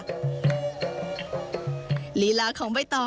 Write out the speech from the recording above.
แม่จิลค่ะเกือบร้อยเพลงเลยแต่ว่า